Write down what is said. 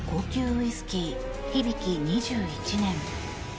ウイスキー響２１年。